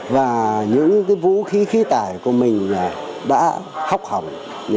và những vũ khí khí tải của mình đã hóc hỏng